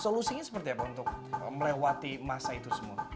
solusinya seperti apa untuk melewati masa itu semua